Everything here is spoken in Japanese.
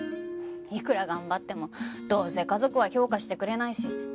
いくら頑張ってもどうせ家族は評価してくれないし。